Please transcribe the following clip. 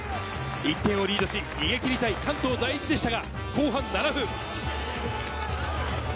１点をリードし、逃げ切りたい関東第一でしたが後半７分。